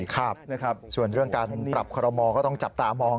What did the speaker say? ครับนะครับส่วนเรื่องการปรับคอรมอก็ต้องจับตามอง